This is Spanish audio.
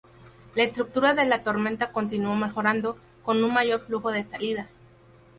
La estructura de la tormenta continuó mejorando, con un mayor flujo de salida.